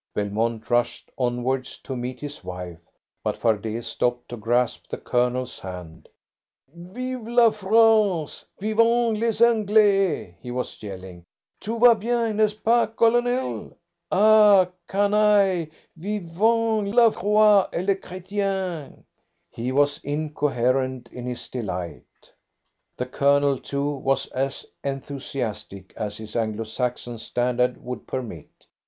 Belmont rushed onwards to meet his wife, but Fardet stopped to grasp the Colonel's hand. "Vive la France! Vivent les Anglais!" he was yelling. "Tout va bien, n'est ce pas, Colonel? Ah, canaille! Vivent la croix et les Chretiens!" He was incoherent in his delight. The Colonel, too, was as enthusiastic as his Anglo Saxon standard would permit.